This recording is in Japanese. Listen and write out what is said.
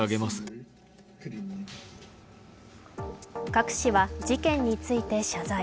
カク氏は事件について謝罪。